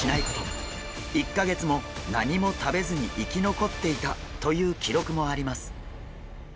１か月も何も食べずに生き残っていたという記録もあります。